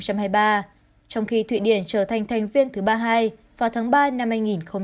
trong khi thụy điển trở thành thành viên thứ ba mươi hai vào tháng ba năm hai nghìn hai mươi